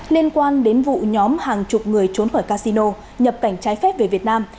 liên quan đến vụ nhóm hàng chục người trốn khỏi casino nhập cảnh trái phép về việt nam